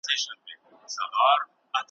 بس د زرکو به رامات ورته لښکر سو `